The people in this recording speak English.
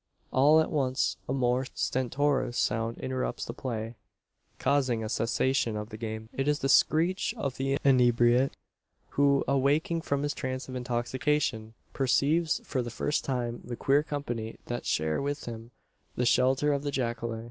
All at once a more stentorous sound interrupts the play, causing a cessation of the game. It is the screech of the inebriate, who, awaking from his trance of intoxication, perceives for the first time the queer company that share with him the shelter of the jacale.